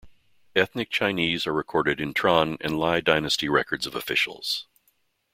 Ethnic Chinese are recorded in Tran and Ly dynasty records of officials.